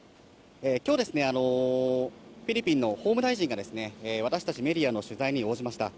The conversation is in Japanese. きょうですね、フィリピンの法務大臣が、私たちメディアの取材に応じました。